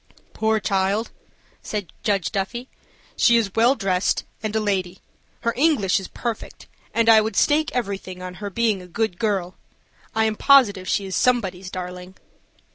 "Poor child," said Judge Duffy, "she is well dressed, and a lady. Her English is perfect, and I would stake everything on her being a good girl. I am positive she is somebody's darling."